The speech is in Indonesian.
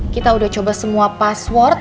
kita udah coba semua password